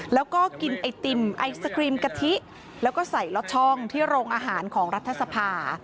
แล้วก็กินไอติมไอศครีมกะทิแล้วก็ใส่ล็อตช่องที่โรงอาหารของรัฐสภา